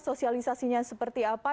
sosialisasinya seperti apa